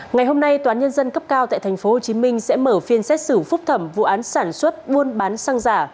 ngày hôm nay toán nhân dân cấp cao tại tp hcm sẽ mở phiên xét xử phúc thẩm vụ án sản xuất buôn bán xăng giả